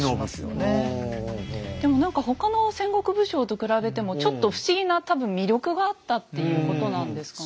でも何か他の戦国武将と比べてもちょっと不思議な多分魅力があったっていうことなんですかね。